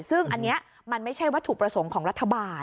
ซึ่งอันนี้มันไม่ใช่วัตถุประสงค์ของรัฐบาล